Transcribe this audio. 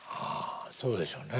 そうでしょうね。